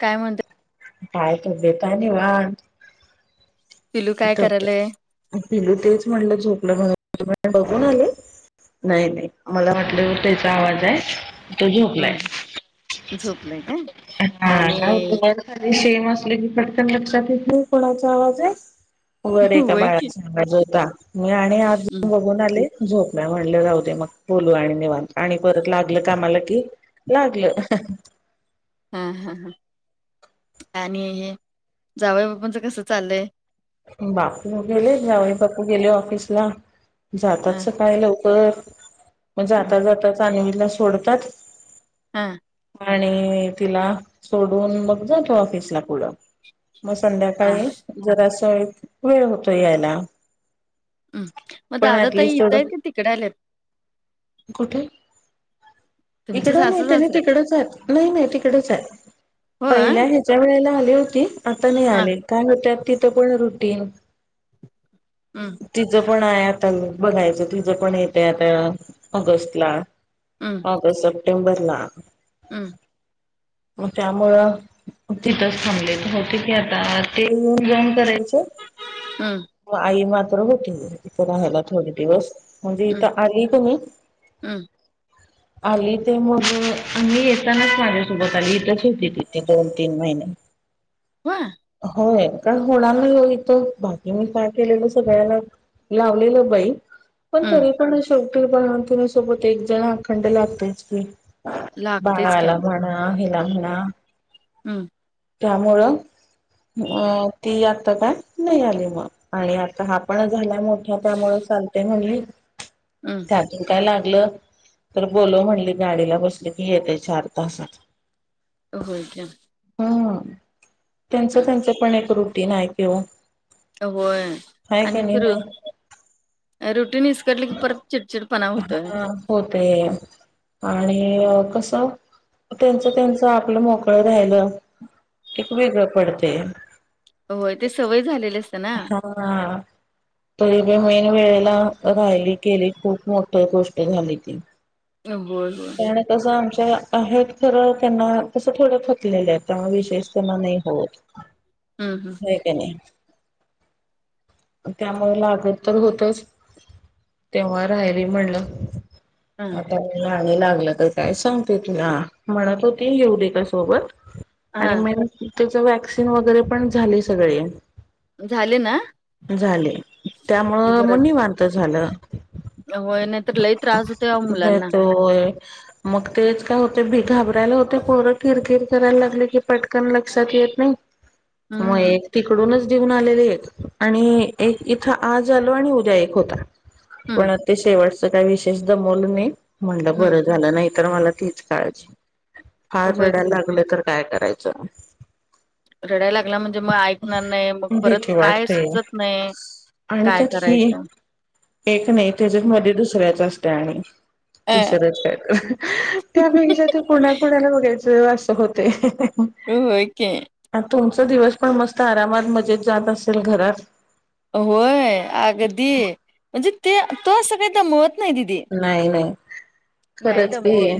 काय म्हणत काय तो बेत आणि भात पिलू काय आता पी. करायलय पिलू तेच म्हणलं झोपलं [inaudible] तोवरत बघून आले. नाही नाही आम्हाला वाटलं त्याचा आवाज आहे होय झोपलाय झोपलाय काय हा [inaudible] हा सल्यानो पडकन लक्षात नाही कोणाचा आवाज आहे वर एका होय की बाळाचा आवाज होता मी आणि आज उठून बघून आले झोपूया म्हणलं राहूदे मग बोलू आणि निवांत आणि परत लागल कामला की लागल. हा हा ह आणि हे. जावईबापूंच कस चाललंय बापरे हम गेले जावईबापू हो गेले ऑफिसला ह जातात सकाळी लवकर [inaudible] म जाता जाताच आणि हिला सोडतात. हां. आणि तिला सोडून मग जातो ऑफिसला पुढं. म हा संध्याकाळी जरा [unintelligible] वेळ होतोय यायला. अम्म म पण दादा ताई ऍटलिस्ट इथं आहेत तेवढं की तिकडे आलेत? कुठे तुमचे इकडं नाही सासू त्यांनी सासरे तिकडच आहेत नाही नाही तिकडच आहे. हो पहिल्या हा ह्याच्या वेळेला आले होते आता नाही आले. [unintelligible] [unintelligible] रूटीन. हम्म. पण आहे आता बघायचं तिजं पण येतंय आता ऑगस्टला. हम् ऑगस्ट, सप्टेंबर ला. हम् म त्यामुळं तिथंच थांबलेत होते की आता तीन जण कराय च हम् व आई म पण होती वगैरे. तिथं राहायला थोडे दिवस म्हणजे, हम् इथं आली क नाय हम् आली ते मग आम्ही येतानाच माझ्यासोबत आली इथंच होती ती दोन-तीन महिने. हो होय? काय होणार नाही हो इथं बाकी मी काय केलेलं सगळ्याला लावलेलं बाई. पण हम् तरी पण शेव टी बाळंतीणीसोबत एक जण अखंड लागतयच की. लागतेच की बाळाला म्हणा हिला म्हणा. हम् त्यामुळं मग ती आता काय नाही आली मग आणि आता हा पण झाला मोठे त्यामुळं चालतंय म्हणलीत. हम् त्या अजून काय लाग [unintelligible] तर बोलोवं म्हणली गाडीला बसली की येतय चार तासात. होय क्या? ह त्यांचं, त्यांचं पण एक रूप ती नाहीत कि वो. होय आणि खर [inaudible] ऍरो पीन विक्स्टल की परत चिडचिडपणा होतोय. ते आणि कस त्यांच, त्यांच आपलं मोकळं राहिलं कि वेगळं पडतय. होय ते सवय झालेली असं हा तू [unintelligible] वेळेला राहिली गेली खूप मोठ गोष्ट झाली ती. होय, होय. त्या आहेत खर त्यांना तस थोड थकलेल्या आहेत. विशेष त्यांना नाही होत. हम्म होय क नई. त्यामुळे लागत तर होतच, तेव्हा रायली म्हणलं. हम्म आता रा लागलं तर काय सांगते तुला, म्हणत होती येऊ दे ग सोबत. हा आणि मेन तीच वॅक्सिन वगैरे पण झाली सगळे. झाले ना, झाले [inaudible] त्यामुळं बर मग निवांत झालं होय नाही तर लई त्रास होतोय अहो मुलांना. होय मग तेच काय होते [unintelligible] उठायला होतय पोर किरकिर करायला लागले की पटकन लक्षात येत नाही. मग हम्म एक तिकडूनच ते ऊन आलेली एक आणि एक इथं आज आलो आणि उद्या एक होता. हम्म पण ते शेवट च काही विशेष दमवलं नाही. म्हणलं हम्म बरं झालं नाही. तर मला तीच काळजी. हा होय रडायला की लागल तर काय करायचं? [inaudible] रडायला लागला म्हण जे मग ऐकणार नाही. मग परत भीती काय वाटते. सुचत नाही. काय करायचं. हे क नाही त्याज्याचमध्ये दुसऱ्याचं अस त्या आणि अ तिसरंच काहीतर त्यापेक्षा ते कोणा कोणाला बघाय चं असं होतंय. अम्म होय की. दिवस पण मस्त आरामात मजेत जात असेल घरात होय अगदी म्हणजे ते तो असं काही तर म नाही नाही. नाही खरंच की दमवून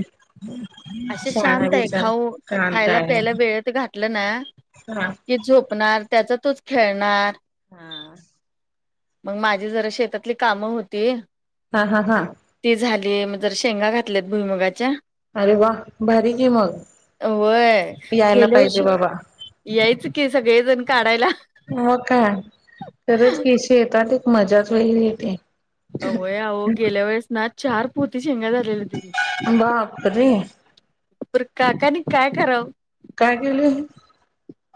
असं शहाणा शांत आहे. बिचारा खाऊ शांत खायला आहे प्यायला वेळेत घातलं ना हा. की झोपणार त्याचा तोच खेळणार. हां. मग माझी जरा शेतातली कामं होती हां हां हां. ली. शेंगा घातल्यात भुईमूगाच्या अरे वा भारी की मग होय यायला गेल्या पाहिजे वर्षी बाबा. यायचं की सगळेजण काढायला. मग काय खरंच की शे तात एक मजाच वेगळी येते. अ होय अहो गेल्यावेळेस ना चार पोती शेंगा झालेल्या तिथे बापरे पर काकांनी काय कराव? काय केले?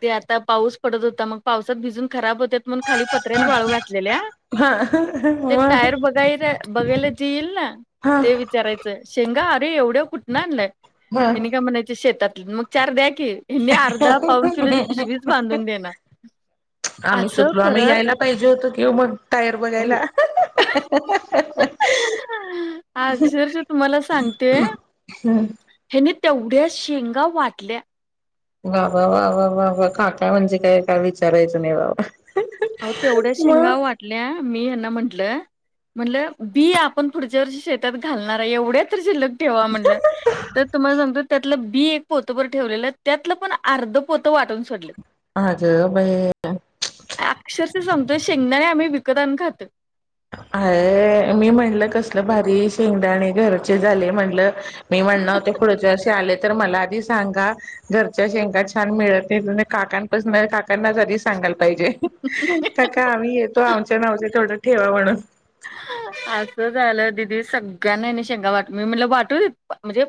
ते आता पाऊस पडत होता मग पावसात भिजून खराब होत्यात म्हणून खाली पत्र्यात वाळू घातलेल्या हा ते मग टायर बघाय [unintelligible] बघायला जे येईल ना हा ते विचारायचं शेंगा अरे एवढ्या कुठनं आणलाय? हा ते मी काय म्हणायचे शेतात म चार द्या की मी अर्धा पाऊण आम्ही असं चुकलो आम्ही करत घ्यायला पाहिजे होतो की [unintelligible] टायर हो बघायला. अक्षरशः तुम्हाला सांगते हम्म. ह्यांनी तेवढ्या शेंगा वाटल्या वा वा वा वा वा काका म्हणजे काय काय विचारायचं नाही बाबा अहो तेवढ्या शेंगा मग वाटल्या मी ह्यांना म्हण टलं म्हटलं बी आपण पुढच्या वर्षी शेतात घालणार आहे एवढ्या तर शिल्लक ठेवा म्हणलं तर तुम्हाला सांगतो त्यातलं बी एक पोतं बर ठेवलेलं त्यातलं पण अर्ध पोत वाटून सोडलं. अगं बाई अक्षरशः सांगतोय शेंगदाने आम्ही विकत आणून खातोय. अय मी म्हणलं कसलं भारी शेंगदाणे घरचे झाले म्हटलं, मी म्हणणार होते पुढच्या वर्षी आले तर मला आधी सांगा घरच्या शेंगा छान मिळतील मी काकांपासन काकांना जरी सांगाय ला पाहिजे काका आम्ही येतो आमच्या नावचे थोडे ठेवा म्हणून असं झालं दिदी सगळ्यांना ह्यांनी शेंगा वाट मी म्हटलं वाटू देत प म्हणजे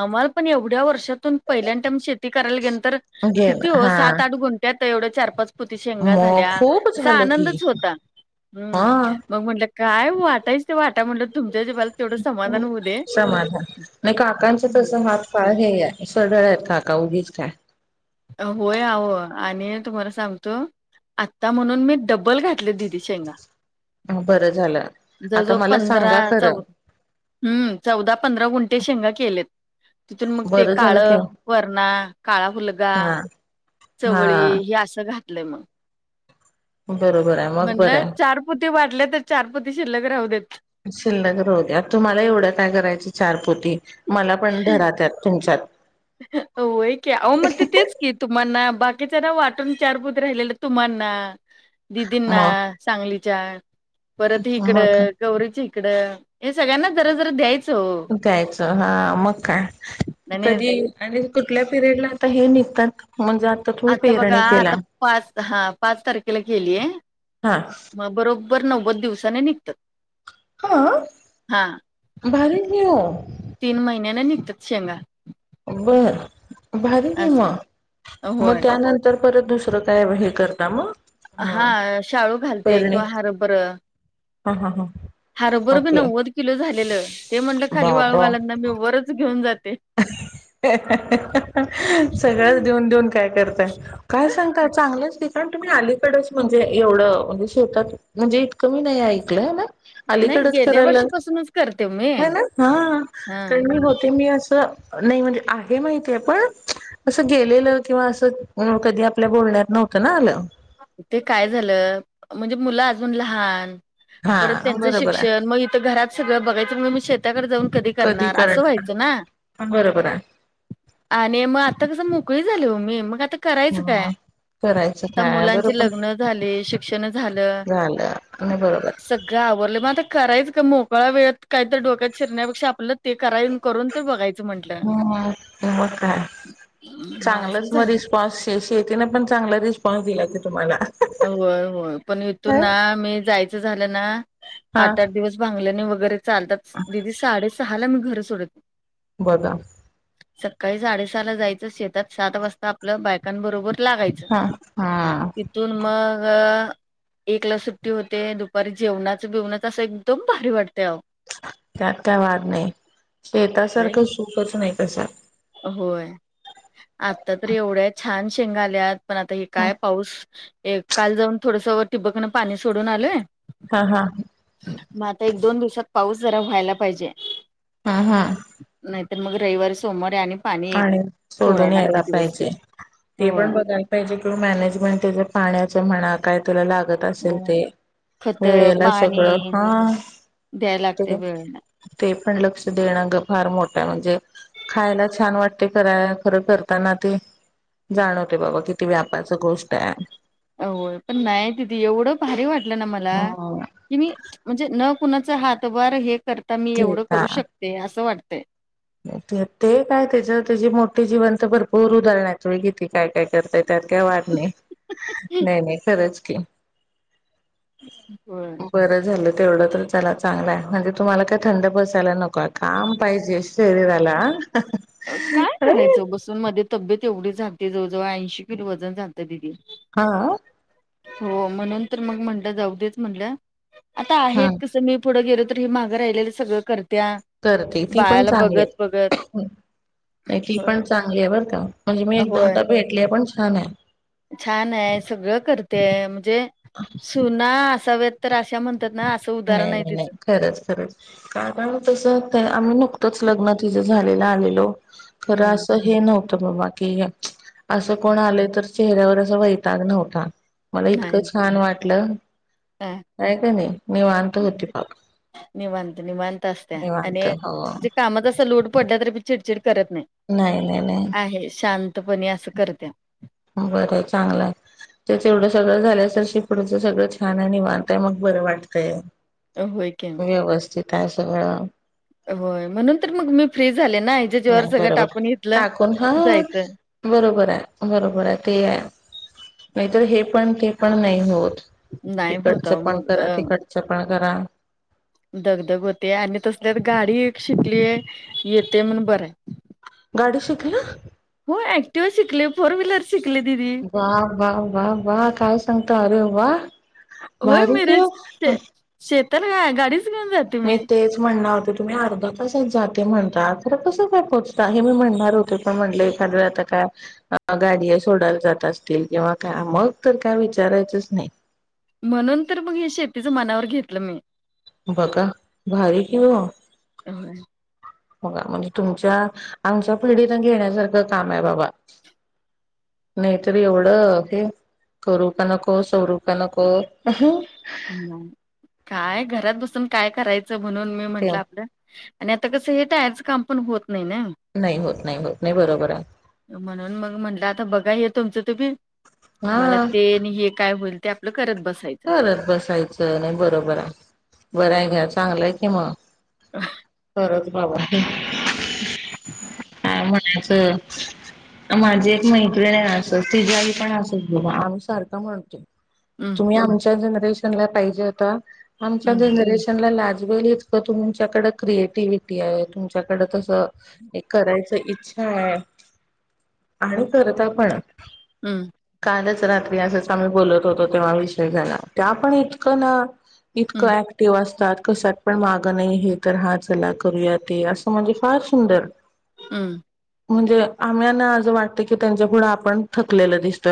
आम्हाला पण एवढ्या वर्षातून पहिल्यान टाईम शेती करायला गेलंतर घे किती ना हा सात-आठ गुंठ्यात तेवढं चार-पाच पोती शेंगा मग झाल्या खूप असा झालं की आनंदच होता. हम्म हा मग म्हटलं काय वाटायचं ते वाटा म्हटलं. तुमच्या जिवाला तेवढं समाधान होऊ दे. समाधान नाही काकांचं तसं हात फार हे आहे. सढळ आहेत काका उगीच काय होय अहो आणि तुम्हाला सांगतो आत्ता म्हणून मी डबल घातले दिदी शेंगा बरं झालं जवळ आता जवळ मला पंधरा सांगा चौ खरं हम्म चौदा पंधरा गुंठे शेंगा केलेत तिथून मग ते बरं झालं काळं वरणा, काळा फुलग हां. चवळी हे असं घात तलं मग. बरोबर आहे मग बरं आहे. ते वाडले तर चार पोती शिल्लक राहू देत. शिल्लक राहू दे, आणि तुम्हाला एवढं काय करायचे चार म्हणती मला पण धरा त्यात तुमच्यात. होय की आहों म ते तेच की तुम्हाना बाकीच्याना वाटून चार पोती राहिलेलं तुम्हाना, दिदींना, मग सांगली चार परत हिकड मग गौरीची इकड, हे सगळ्यांना जरा जरा द्याय द्यायचं. हा मग काय. आणि कधी आणि कुठल्या पिरेड ला आता हे निघतात म्हणजे तुम्ही आता बघा पेरणी केला आता पाच हा पाच तारखेला केलीय हा म बरोब बर नव्वद दिवसाने निघतात. हां, हा भारी आहे की वो. तीन महिन्याने निघतात शेंगा. बर भारी की म असं म होय त्यानंतर परत दुसरं काय हे करता मग? ह हा शाळू घालते, पेरणी किंवा हरभर, हा हा हा हरभर बी ओके नव्वद किलो झालेलं. ते म्हणलं खाली वाळू बाबा घालत नाही मी वरच घेऊन जात सगळंच देऊन देऊन काय करताय काय सांगता चांगलंच की. कारण तुम्ही अलीकडच म्हणजे एवढं म्हणजे शेतात म्हणजे इतकं मी नाही ऐकलं ना? नाही अलीकडच गेल्या करायला वर्षीपासूनच करते मी नाही ना हां हा का मी होते मी अस नाही म्हणजे आहे माहितीय पण असं गेलेलं किंवा असं कधी आपल्या बोलण्यात नव्हतं ना आलं. ते काय झालं म्हणजे मुलं अजून लहान परत हा त्यांचं बरोबर शिक्षण आहे मग इथं घरात सगळं बघायच मी शेताकडे जाऊन कधी करणार असं व्हायचं ना. बरोबर आहे आणि मग आता कस मोकळी झाली हो मी मग आता करायचं ह काय? करायचं आता काय मुलांचे बरोबर लग्न झाले, शिक्षण झालं, आणि बरोबर सगळं आवरलं आता करायचं काय मोकळा वेळेत काय तर डोक्यात शिरण्यापेक्षा आपलं ते करा करून ते बघायच. ह मग काय चांगलच असं मग झालं. रिस्पॉन्स शेती ना पण चांगला रिस्पॉन्स दिला तर तुम्हाला. होय होय पण इथून काय? ना मी जायचं झालं ना हा आठ आठ दिवस भांगलनी वर चालतात, दिदी साडे चहाला मी घर सोडत बघा सकाळी साडेसहाला जायचं शेतात सात वाजता आपलं बायकांबरोबर लागायचं. हा हा तिथून मग एकला सुट्टी होते दुपारी जेवणाच बिवणाच असं एकदम भारी वाटते त्यात काय वाद नाही शेतासारखं सुखच नाही अस होय आता तर एवढ्या छान शेंग आल्यात पण आता हे काय पाऊस एक काल जाऊन थोडंसं व टिबकन पाणी सोडून आलोय हां, हां. दोन दिवसात पाऊस जरा व्हायला पाहिजे. आं हां. नाही तर मग रविवारी सोमवारी आणि पाणी सोडायला सोडून यायला लागते दिवसभर पाहिजे. ते होय पण बघायला पाहिजे किं, मॅनेजमेंट तेज पाण्याच म्हणा काय करलाग. जे काय असल हो ते, खत वेळेला सगळं पाणी हां. द्यायला लागते वेळेला ते पण लक्ष देणं ग फार मो म्हणजे खायला छान वाटते खराय खरं करताना ते जाणवतंय बाबा किती व्यापाच गोष्ट आहे. होय पण नाही दीदी एवढं भारी वाट लं ना मला हा. की मी न कुणाचा हातभार हे करता मी एवढं करू शकते असं वाट ते. ते ते काय त्याचं त्याजी मोठी जिवंत भरपूर उदाहरणं आहेत. तुम्ही किती काय करताय त्यात काय वाद नाही. नाही नाही खरंच [inaudible] होय. बरं झालं तेवढं तर चला चांगलाय म्हणजे तुम्हाला काय थंड बसायला नको काम पाहिजे शरीराला होय तेवढी झालती जवळ जवळ ऐंशी किलो वजन झालतं दिदी. हां? हो म्हणून तर मग म्हणलं जाऊदेच म्हणलं. आता आहेत हम्म तसं मी पुढं [unintelligible] मागं राहिले सगळं कर करते ती पण चांगली. बघत ती पण होय चांगली आहे बरं का? म्हणजे मी एक होय, दोनदा भेटली पण छान आहे. छान आहे. सगळं करते म्हणजे सुना असाव्या तर अशा म्ह नाही नाही नाही, खरंच खरचं, कारण तसं आम्ही नुक तच लग्न तिझं झालेलं आलेलो. खरं हम्म असं हे नव्ह ते बाबा की असं कोण आले तर चेहऱ्यावर असा वैताग नव्हता. मला इतकं नाही छान वाट लं. अ होय क नाही? होती बाप निवांत निवांत असत्या आणि निवांत हो म्हणजे काम तसं लोड पडलं तरिबी चिडचिड करत नाही. नाही नाही नाही आहे शां तपणे असं करत्या. बरं चांगलं आहे. ते तेवढं सगळं झालं तर पुढचं सगळं छान आहे निवांत आहे मग बरं वाटतंय. होय की व्यवस्थित आहे सगळं. होय म्हणून तर मग मी फ्री झाले ना ह्याच्या जीवावर नाही. सगळं बरोबर टाकून इथलं काकून हां जायचं. बरोबर आहे, बरोबर आहे ते नाहीतर हे पण ते पण नाही होत. नाही होत इकडचं अहो पण मग करा तिकडचं पण जरा दगधग होते आणि तसल्यात गाडी एक शिकलीय, येते म्हणून बरं आहे. गाडी शिकला? होय ऍक्टिवा शिकले, फोर व्हीलर शिकले दिदी. ता अरे वा! भारी की ओ ताला काय गाडीच घेऊन जाते मी तेच म्हणणार तुम्ही अर्धा तासात जाते म्हणता खरं कसं काय पोहोचता? हे मी म्हणणार होते पण म्हटले एखादं वेळ आता काय अ गाडी आहे सोडायला जात असतील किंवा काय मग तर काय विचारायचंच नाही. म्हणून तर मग हे शेतीचं मनावर घेतलं मी. बघा भारी की ओ. होय बघा म्हणजे तुमच्या आमच्या पिढीनं घेण्यासारखं काम आहे बाबा. नाहीतरी एवढं हे करू का नको? सवरू का नको? नाही काय घरात बसून काय कराय म्हणून मी ते म्हटलं आपलं आणि आता कसं हे तळ्याचं काम पण होत नाही ना नाही होत नाही होत नाही बरोबर आहे. म्हणून मग म्हटलं आता बघा हे तुमचं तुम्ही मला हा ते आणि हे काय होईल ते आपलं करत बसायचं यचं नाही बरोबर आहे बरंय गं चांगलंय की मग [unintelligible] बाबा. काय म्हणायचं माझी एक मैत्रिण आहे असं तिची आई पण [unintelligible] आम्ही सारखं भांडतोय. हम्म तुम्ही आमच्या [unintelligible] जणरेशन ला पाहिजे होता. आमच्या हम्म जनरेशन ला आज इतक तुमच्याकड क्रिएटिव्हिटी आहे तुमच्याकड तसं एक करायच इच्छा आहे. आणि करता पण हम्म कालच रात्रि असंच आम्ही बोलत होतो तेव्हा विषय झाला त्या पण इतकं ना इतकं हम्म ऍक्टिव्ह असतात. कश्यात पण मागं नाही हे तर हा चला करूया ते असं म्हणजे फार सुंदर हम म्हणजे आम्याना असं वाटत की त्यांच्या पुुढं आपण थकलेलं दिसतोय.